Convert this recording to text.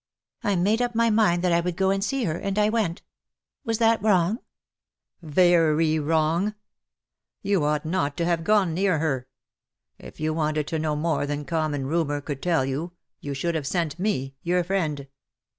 I made up my mind that I would go and see her — and I went. Was that wrong V " Very wrong. You ought not to have gone near her. If you wanted to know more than common rumour could tell you, you should have sent me— your friend.